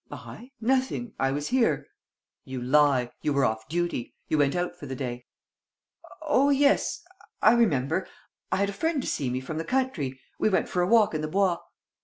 "I? Nothing. I was here." "You lie. You were off duty. You went out for the day." "Oh, yes ... I remember ... I had a friend to see me from the country. ... We went for a walk in the Bois."